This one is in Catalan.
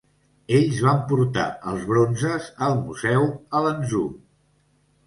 Ells van portar els bronzes al museu a Lanzhou.